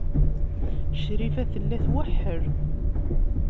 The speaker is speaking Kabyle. Crifa tella tweḥḥel.